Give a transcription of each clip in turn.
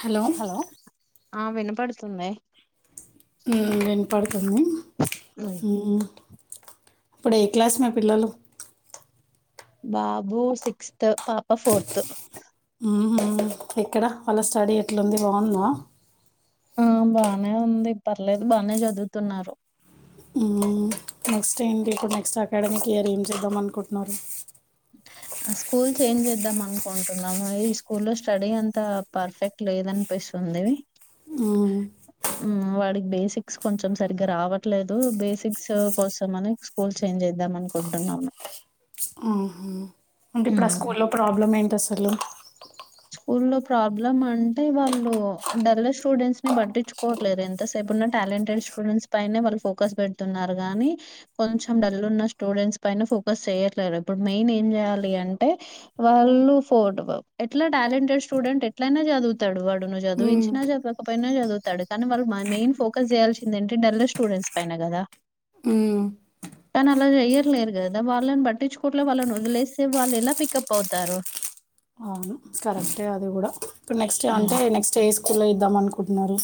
Hello ఆ వినపడుతుంది ఉమ్ వినపడుతుంది హుమ్ ఇప్పుడు ఏ క్లాస్ మీ పిల్లలు బాబు సిక్స్త్ పాప ఫోర్త్ ఎక్కడ వాళ్ళ స్టడీ ఎట్లుంది బాగుంద ఆ బానే ఉంది పర్లేదు బాగానే చదువుతున్నారు మ్మ్, నెక్స్ట్ ఏంటి ఇప్పుడు నెక్స్ట్ అకాడమిక్ ఇయర్ ఏం చేద్దాం అనుకుంటున్నారు స్కూల్ చేంజ్ చేద్దాం అనుకుంటున్నాము ఈ స్కూల్ లో స్టడీ అంత పర్ఫెక్ట్ లేద అనిపిస్తుంది మ్మ్, వాడికి బేసిక్స్ కొంచెం సరిగ్గా రావట్లేదు బేసిక్స్ కోసం అని స్కూల్ చేంజ్ చేద్దాం అనుకుంటున్నాము మ్మ్. హలో స్కూ లో ప్రాబ్లమ్ అంటే వాళ్ళు డల్ స్టూడెంట్స్ ని పట్టించుకోవట్లేదు ఎంతసేపు ఉన్న టాలెంటెడ్ స్టూడెంట్స్ పైనే వాళ్ళు ఫోకస్ పెడుతున్నారు కాగానీ కొంచెం డల్ ఉన్న స్టూడెంట్స్ పైనే ఫోకస్ చేయట్లేరు ఇప్పుడు మెయిన్ ఏం చేయాలి అంటే వాళ్ళు ఫో ఎట్లా టాలెంటెడ్ స్టూడెంట్ ఎట్లయినా చదువుతాడు వాడును మ్మ్, చదివించినా చదవకపోయినా చదువుతాడు కానీ వాళ్ళు మెయిన్ ఫోకస్ చేయాల్సింద ఏంటంటి ఢెల్లీ స్టూడెంట్స్ పైన కదా మ్మ్. కానీ అలా చెయర్లేరు కదా వాళ్ళని పట్టించుకోట్లే వాళ్ళని వదిలేస్తే వాళ్ళు ఎలా పిికప్ అవుతారు అవును కరెక్టే అది కూడా ఇప్పు నెక్స్ట్ హ్మ్. అంటే నెక్ట్ ఏ పక్తుల ఇద్దామ అనుకుంటున్నారు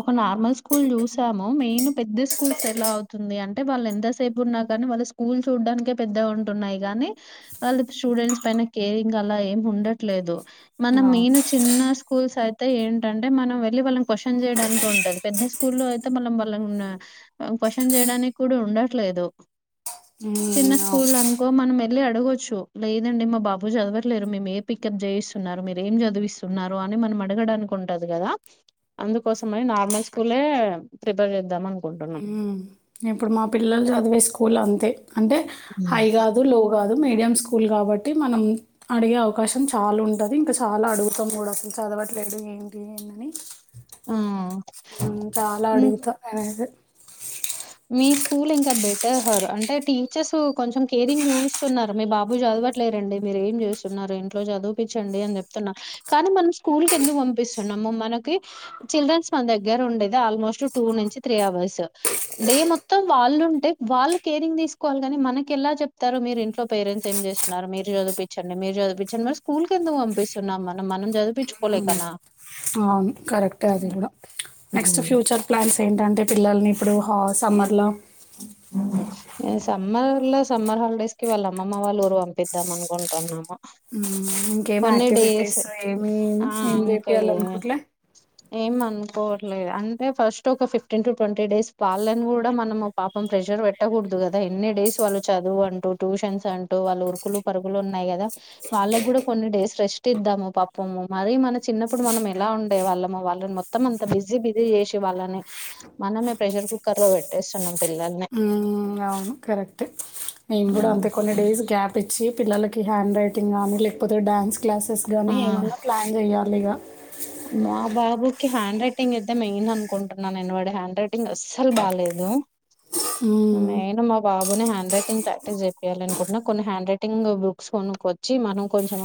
ఒక నార్మల్ స్కూల్ చూసాము మెయిన్ పెద్ద స్కూల్స్ ఎలా అవుతుంది అంటే వాళ్ళు ఎంతసేపు ఉన్నా కాని వాళ్ళ స్కూల్ చూడడానికే పెద్ద ఉంటున్నాయి కానీ వాళ్ళు స్టూడెంట్స్ పైన కేరింగ్ అలా ఏం ఉండట్లేదు మన అవును మెయిన్ చిన్న స్కూల్స్ అయితే ఏంటంటే మనం వెళ్ళి వాళ్ళ క న్ చేయనికి ఉంటది పెద్ద స్కూల్ లో అయితే మనం వాళ్ళ క్వచన్ చేయడానికి కూడా ఉండట్లేదు చిన్న మ్మ్, అవును స్కూల్ అనుకో మనం వెళ్ళి అడగొచ్చు లేదండి మా బాబు చదవట్లేరు మేము ఏ పిికప్ చేయిస్తున్నారు మీర ఏం చదివిస్తున్నారు అని మనం అడగడానికి ఉంటంది కదా అందుకోసం మని నార్మల్ స్కూలే ప్రిపేర్ చేద్దాం అనుకుంటున్నాం హ్మ్. ఇప్పుడు మా పిల్లలు చదివే స్కూల్ అంతే అంటే హై కాదు లో కాదు మీడియం స్కూల్ కాబట్టి మనం అడిగే అవకాశం చాలా ఉంటుంది ఇంకా చాలా అడుగుతాం కూడా అసలు చదవట్లేదు ఏంటి ఏని ఆ చాలా అడుగుతా నేనైతే మీ స్కూల్ ఇంకా బెటర్ హర్ అంటే టీచర్స్ కొంచెం కేరింగ్ చూయిస్తున్నారు మీ బాబు చదవట్లేరండి మీరు ఏం చూస్తున్నారు ఇంట్లో చదివిపిచ్చండి అని చెప్తున్నారు కానీ మనం స్కూల్ కి ఎందుకు పంపిస్తున్నాము మనకి చిల్డ్రన్స్ మన దగ్గర ఉండేది ఆల్మోస్ట్ టూ నుంచి త్రీ అవర్స్ డే మొత్తం వాళ్ళుంటే వాళ్ళు కేరింగ్ తీసుకోవాలి కాని మనకి ఎలా చెప్తారు మీరు ఇంట్లో పేరెంట్స్ ఏం చేస్తున్నారు మీరు చదివిపిచ్చండి మీరు చదివిపిచ్చండి మరి స్కూల్ కి ఎందుకు పంపిస్తున్నాం మనం మనం చదిపించుకోలేకనా అవును కరెక్టే అది కూడా నెక్స్ట్ హ్మ్. ఫ్యూచర్ ప్లాన్స్ ఏంటంటే పిల్లల్ని ఇప్పుడు హో సమ్మర్లో సమ్మర్లా సమ్మర్ హాలిడేస్ కి వాళ్ళు అమ్మమ్మ వాళ్ళు ఊరు పంపిద్దాం అనుకుంటున్నాము హుమ్ ఇంకేం కొన్ని డేస్ యాక్టివిటీస్ ఏమి ఏం చేపియాలి అనుకుటలే ఏమనుకోవట్లేదు అంటే ఫస్ట్ ఒక ఫిఫ్టీన్ టు ట్వంటీ డేస్ వాళ్ళని కూడా మనం పాపం ప్రెషర్ పెట్ట పెట్టకూడదు కదా ఎన్ని డేస్ వాళ్ళు చదువు అంటూ ట్యూషన్స్ అంటూ వాళ్ళు ఉరుకులు పరుగులు ఉన్నాయి కదా వాళ్ళకి కూడా కొన్ని డేస్ రెస్ట్ ఇద్దాము పాపము మరీ మన చిన్నప్పుడు మనం ఎలా ఉండే వాళ్ళము వాళ్ళని మొత్తం అంత బిజీ బిజీ చేసి వాళ్ళని మనమే ప్రెషర్ కుక్కర్ లో పెట్టేస్తున్నాం పిల్లల్ని అవును కరెక్టే నేను కూడా అంతే కొన్ని డేస్ గ్యాప్ ఇచ్చి పిల్లలకి హ్యాండ్ రైటింగ్ గానీ లేకపోతే డ్యాన్స్ క్లాసెస్ ఆ గానీ ఏమన్నా ప్లాన్ చెయాలి ఇగా మా బాబుకి హ్యాండ్ రైటింగ్ అయితే మైన్ అనుకుంటున్నా నేను వాడి హ్యాండ్ రైటింగ్ అస్సలు బాలేదు హుమ్ నేను మా బాబుని హ్యాండ్ రైటింగ్ ప్రాక్టీస్ చెపియాలి అనుకుంటున్నా కొన్ని హ్యాండ్ రైటింగ్ బుక్స్ కొనుకొచ్చి మనం కొంచెం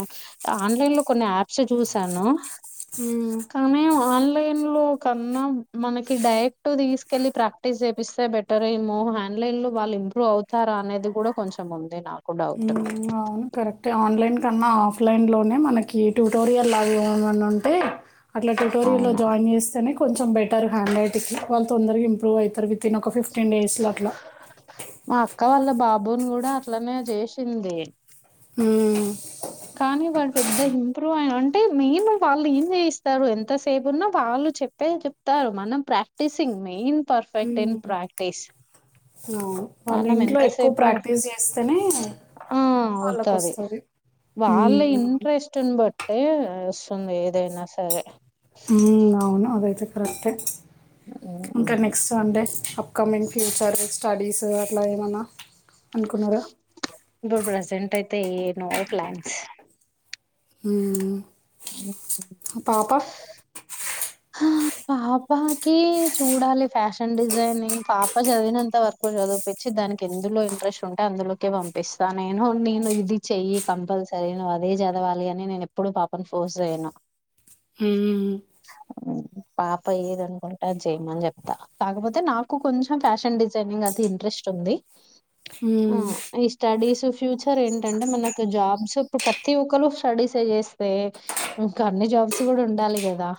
ఆన్లైన్ లో కొన్ని యాప్స్ చూసాను హ్మ్. కానీ ఆన్లైన్ లో కన్నా మనకి డైరెక్టుగా తీసుకెళ్ళి ప్రాక్టీస్ చేపిస్తే బెటర్ ఏమో ఆన్లైన్ లో వాళ్ళు ఇంప్రూవ్ అవుతారా అనేది కూడా కొంచెం ఉంది నాకు డౌట్ హ్మ్. అవును కరెక్టే ఆన్లైన్ కన్నా ఆఫ్లైన్ లోనే మనకి ట్యుటోరియల్ అవివి అని ఉంటే అట్లా ట్యుటోరియల్ లో అవును జాయిన్ చేస్తేనే కొంచెం బెటర్ హ్యాండ్ రైట్ కి వాళ్ళు తొందరగా ఇంప్రూవ్ అయితరు వితిన్ ఒక ఫిఫ్ మా అక్క వాళ్ళ బా బుని కూడా అట్లనే జేసింది. హుమ్ కానీ వాడు పెద్ద ఇంప్రూవ్ ఐ అంటే మెయిన్ వాళ్ళు ఏం చేయిస్తారు. ఎంతసేపు ఉన్నా వాళ్ళు చెప్పే చెప్తారు మనం ప్రాక్టీసింగ్ మెయిన్ పర్ఫెక్ట్ ఇన్ హ్మ్. ప్రాక్టీస్ అవును. వాళ్ళు మనం ఇంట్లో ఎక్కువ ఎంతసేపు ప్రాక్టీస్ జేస్తేనే ఆ అవుతాది. వాళ్ళకొస్తది. వాళ్ళ హ్మ్. అవును. ఇంట్రెస్టుని బట్టే వస్తుంది. ఏదైనా సరే హుమ్ అవును అదైతే కరెక్టే ఇంక ఉమ్. Next Sunday upcoming future. Studies అట్ల ఏమన్నా అనుకున్నారా? ఇప్పుడు ప్రెజెంటైతే ఏ నో ప్లాన్స్ హుమ్ [unintelligible] హా పాప కి చూడాలి. ఫ్యాషన్ డిజైనింగ్ పాప చదివినంత వరకు చదివిపిచ్చి దానికి ఎందులో ఇంట్రెస్ట్ ఉంటే అందులోకే పంపిస్తా నేను నేను ఇది చెయ్యి కంపల్సరీ నువ్వు అదే చదవాలి. అని నేను ఎప్పుడు పాపను ఫోర్స్ చేయను. హ్మ్. [inaudible] పాప ఏదనుకుంటే అది చేయమని చెప్తా కాకపోతే నాకు కొంచెం ఫ్యాషన్ డిజైనింగ్ అది ఇంట్రెస్ట్ ఉంది. ఆ హ్మ్. ఈ స్టడీస్ ఫ్యూచర్ ఏంటంటే మనకు జాబ్స్ ఇప్పుడు ప్రతి ఒక్కరు స్టడీస్ చేస్తే ఇంక అన్ని జాబ్స్ కూడ ఉండాలి కదా.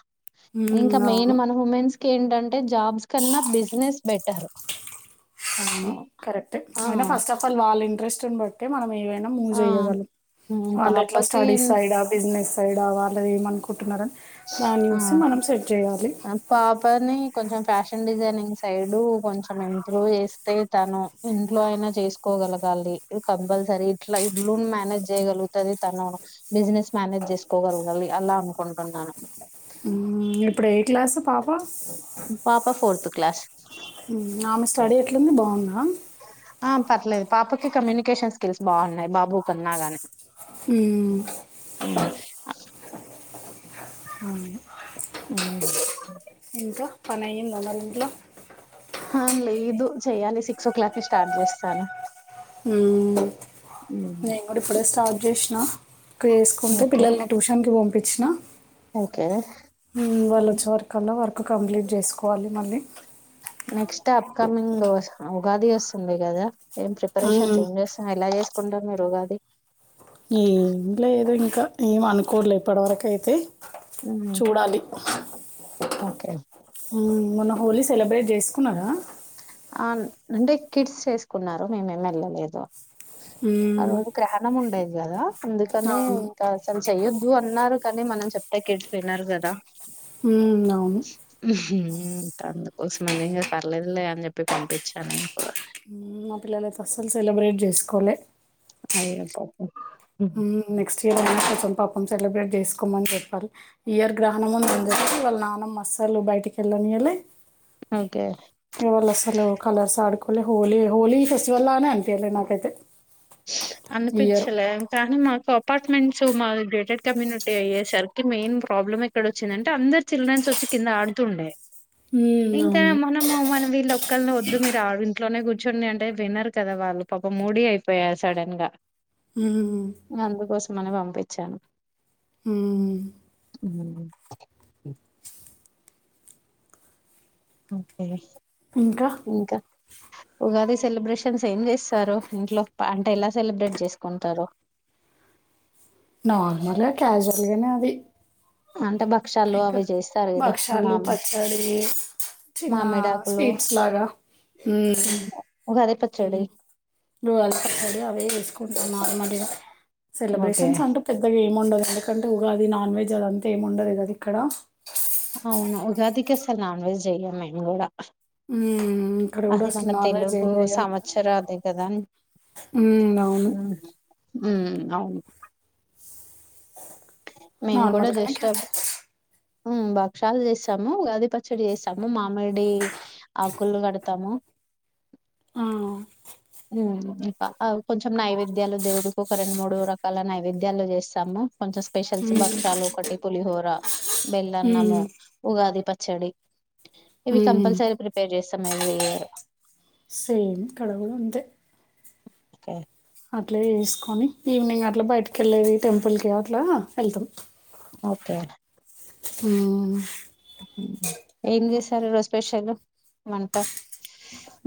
హ్మ్. ఇంకా మైన్ అవును. మన ఉమెన్స్ కి ఏంటంటే జాబ్స్ కన్నా బిజినెస్ బెటర్. అవును. కరెక్టే. ఆ అయినా ఫస్ట్ ఆఫ్ ఆల్ వాళ్ళ ఇంట్రెస్ట్. బట్టి మనం ఏవి ఐనా మనం మూవ్ చేయగలం ఉమ్, వాళ్ళు ఎట్లా పాపకి స్టడీస్ సైడ్ ఆ బిజినెస్. సైడ్ వాళ్ళది ఏమ అనుకుంటున్నారని ఆ పాపని కొంచెం. ఫ్యాషన్ డిజైనింగ్ సైడ్ కొంచెం ఇంప్రూవ్ చేస్తే తను ఇంట్లో అయినా చేసుకోగలగాలి. ఇ కంపల్సరీ ఇట్లా ఇల్లు మేనేజ్ చేయగలుగుతుంది. తను బిజినెస్ మేనేజ్ చేసుకోగలగాలి అలా అనుకుంటున్నాను. హ్మ్. ఇప్పుడు ఏ క్లాస్ పాప. పాప ఫోర్త్ క్లాస్. ఆమె స్టడీ ఎట్లంది బాగుందా. ఆ పర్లేదు పాప. కమ్యూనికేషన్ స్కిల్స్ బాగున్నాయి. బాబు కన్నా గానే ఉమ్ బస్ అవును ఇంకా పని అయిందా మరి ఇంట్లో. లేదు చెయ్యాలి సిక్స్ ఓ క్లాక్ ని స్టార్ట్ చేస్తాను. ఉమ్ నేను కూడా ఇప్పుడ స్టార్ట్ చేస ఆ కేసుకుంటే ఓకే పిల్లల్ని ట్యూషన్ కి పంపి చ్చణ ఓకే వాళ్ళు వచ్చే వరకన్నా వర్క్ కంప్లీట్ చేసుకోవాలి మళ్ళీ నెక్స్ట్ అప్కమింగ్ ఉగాది వస్తుంది కదా ఏం ప్రిపరేషన్స్ ఉమ్, ఏం చేస్తాం ఎలా చేస్తా కుంటరు మీరుగాది ఏం లేదు ఇంకా ఏం అనుకోలే ఇప్పటివరక అయితే చూడాలి ఓకే ఉ మొన హోలీ సెలబ్రేట్ చేసుకున్నారా ఆ అంటే కిడ్స్ చేసుకున్నారు మేమేం వెళ్ళలేదు ఆ ఉమ్, రోజు గహణం ఉండేది కదా అందుకని అవును ఇంకా అసలు చెయొద్దు అన్నారు కానీ మనం చెప్తే కిడ్స్ వినరు కదా ఉమ్, అవును ఉ అందుకోసం అనిం పర్లేదులే అని చెప్ప ప్పి పంపించాను నేను కూడా మా పిల్లలయితే అస్సలు సెలబ్రేట్ చేసుకలె అయ్యో పాపం ఉమ్ నెక్స్ట్ కొంచెం పాపం సెలబ్రేట్ చేసుకోమని చెప్పాలి ఈ ఇయర్ గ్రహణం ముందు ఉంది వాళ్ళ నాన్నం మస్సాలు బయటికి వెళ్ళనియళ్ళి ఓకే ఇవళ సలు కలర్స్ ఆడుకో హోలీ హలీ ఫెస్టివల్ లానే అనిపియాలే నాకైయితే అనిపిచ్చలే కానీ మాకు అపార్ట్మెంట్స్ మా గేటెడ్ కమ్యూనిటీ అయ్యే సార్కి మెయిన్ ప్రాబ్లమ్ ఎక్కడ వచ్చిందంటే అందరు చిల్డ్రన్స్ వచ్చి కింద ఆడుతుండే హ్మ్. ఇంకా అవును. మనము మనం వీళ్ళ క్కల్ని వద్దు మీరు ఇట్లోనే కూర్చుంని అంటే వినరు కదా వాళ్ళు పాప మూడీయి పోయా సడన్ గా ఉ మన పంపించాను హ్మ్. ఓకే ఇంకా ఇంకా ఉగాది సెలబ్రేషన్స్ ఏం చేస్తారు ఇంట్లో అంటే ఎలా సెలబ్రేట్ చేసుకుంటారు నార్మల్గా క్యాజువల్గానే అది అంటే భక్షాలు ఇకా అవి చేస్తారు కదా మా భక్షాలు పచ్చడి చిన్న మామిడాకులు స్వీట్స్ లాగా ఉమ్, ఉగాది పచ్చడి పడి అవే వేసుకుంటా మార్మ ఓకే సెలబ్రేషన్స్ అంటూ పెద్ద ఏముండదు ఎందుకంటే ఉగా అది నాన్ వెజ్ అదంతా ఏండదు కదా ఇక్కడ అవునా ఉగాదికస్త నోన్ వెజ్ చెయ మేన్ కూడా ఉమ్ ఇక్కడ కూడా అది మన అసలు నాన్ వెజ్ తెలుగు ఏమి వెయను సంవత్సర అదే కదా ఉమ్ అవును ఉమ్ అవున్ మేము కూడ నార్మల్గానే జస్ట్ కదా ఉమ్ బక్షాలు చేస్తాము ఉగాది పచ్చడి చేస్తాము మామిడి ఆకులు కడతాము ఆ ఉమ్ ఇక కొంచెం నైవేద్యాలు దేవుడికి ఒక రెండు మూడు రకాల నైవేద్యాలు చేస్తాము కొంచెం స్పెషల్స్ భక్షాలు ఒకటి పులిహోర అ బెల్లన్నము మ్మ్, ఉగాది పచ్ చ్చడి ఇవి మ్మ్. కంపల్సరీ ప్రిపేర్ చేస్తాం వేరు సేమ్ కడవత ఉంటే ఎ అట్లే చేసుకొని ఈవినింగ్ అట్ల బయటికి వెళ్ళేది టెంపుల్కి అట్లా వెళ్తాం ఓకె మ్ ఏం చేసారు ఈ రోజు స్పెషల్ వంట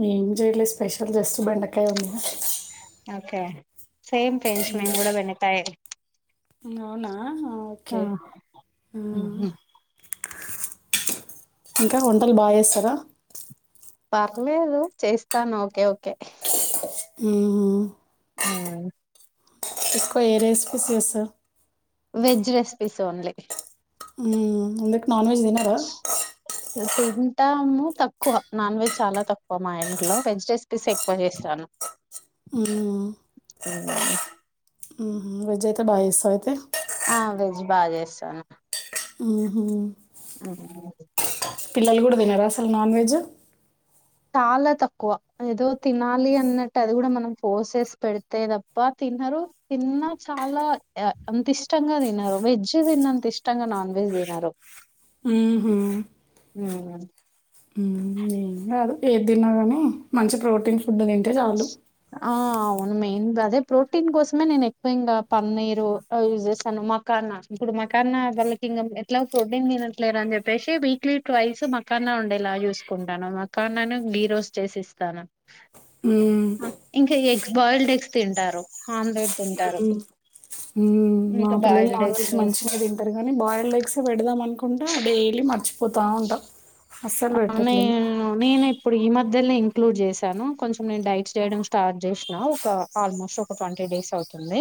ఏమ్ జేయలేదు స్పెషల్ జస్ట్ బెండకాయ వండినా ఒకే సేమ్ పించ్ మేమ్ కూడ బెండకాయ అవునా ఓకే ఇంక వంటలు బాగ చేేస్తార పర్లేదు చేస్తాను ఓకె ఓకే ఊహు ఆ ఎక్కువ ఏ రెసిపీస్ చేస్తార్ వెజ్ రెస్పీస్ ఓన్లీ ఉమ్ అందుక్ నాన్ వెజ్ దినరా తింటాము తక్కువ నాన్ వెజ్ చాలా తక్కువ మా ఇంట్లో వెజ్ రెస్పీస్ ఎక్కువ చేస్తాను హ్మ్. ఉమ్ వేడ్ అయితే బాగ చేస్తారయితే ఆ వెజ్ బాగ చేస్తాను ఊహు పిల్లలు కూడ తినర అసలు నాన్ వెజ్ చాలా తక్కువ ఏదో తినాలి అన్నట్టు అది కూడ మనం పోోసేస్ పెడితే తప్ప తినరు తిన్నా చాలా అంత ఇష్టంగా తినరు వెజ్ తిన్న అంత ఇష్టంగా నాన్ వెజ్ తినరు ఉహుం ఉమ్ ఏం కాదు ఏది తిన్నా కాని మంచి ప్రోటీన్ ఫుడ్ తింటే చాలు. ఆ ఉనుమే ఇంద్ అదే ప్రోటీన్ కోసమే నేను ఎక్కువ ఇంకా పన్నీరు యూస్ చేస్తాను మకాన్న ఇప్పుడు మకాన్న వాళ్ళకి ఇం ఎట్లా ప్రోటీన్ తినట్లేదు అని చెప్పేసి వీక్లీ ట్వైస్ మకాన్న ఉండేలా చూసుకుంటాను మకాన్నను ఘీ రస్ట్ చేసి ఇస్తాను హ్మ్. ఆ ఇంకా ఎ బాయిల్డ్ ఎగ్స్ తింటారు ఆమ్లెట్ తింటారు ఉమ్ మా ఇంకా పిల్లలు బాయిల్డ్ నాన్ వెజ్ ఎగ్స్ మంచిగా తింటారుగాని బాయిల్డ్ లెగ్సే పెడదాం అన్ కాకుండా డైలీ మర్చిపోతా ఉంటా అస్సలు ఆ పెట్టట్లేను. నేను నేనే ఇప్పుడు ఈ మధ్ మద్దల్ని ఇంక్లూడ్ చేశాను కొంచెం నేను డైట్స్ చేయడం స్టార్ట్ చేసినా ఒక ఆల్మోస్ట్ ఒక ట్వంటీ డేస్ అవుతుంది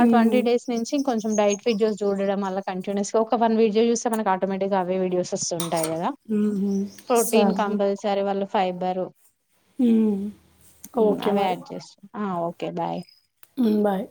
ఆ హ్మ్. ట్వంటీ డేస్ నుంచి కొంచెం డైట్ వీడియోస్ చూడడం వల్ల కంటిన్యూస్ గా ఒక వన్ వీడియో చూస్తే మనకి ఆటోమేటిక్గా అవే వీడియోస్ వస్తు ఉంటాయి కదా హుహు. ప్రోటీన్ సరే. కంపల్సరీ వాళ్ళు ఫైబరు హ్మ్. ఉమ్ ఓకే అవే యాడ్ చేస్త ఆ ఓకే బాయ్ ఉమ్ బాయ్